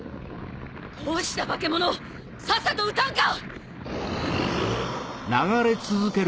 どうした化け物さっさと撃たんか！